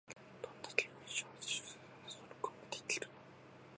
どんだけ文章の収集手伝えば話すの録音ができるの？